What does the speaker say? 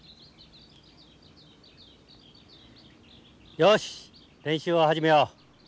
よし練習を始めよう。